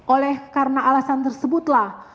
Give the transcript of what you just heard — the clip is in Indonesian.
oleh karena alasan tersebutlah